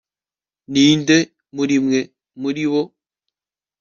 ninde murimwe muribo